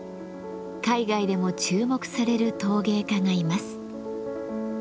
海外でも注目される陶芸家がいます。